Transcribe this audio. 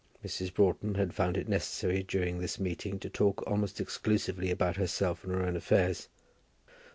Mrs. Broughton had found it necessary during this meeting to talk almost exclusively about herself and her own affairs.